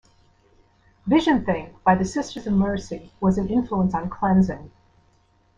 "Vision Thing" by The Sisters of Mercy was an influence on "Cleansing".